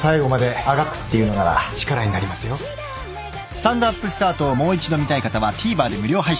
［『スタンドＵＰスタート』をもう一度見たい方はＴＶｅｒで無料配信］